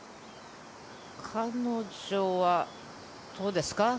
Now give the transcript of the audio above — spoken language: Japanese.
彼女はどうですか？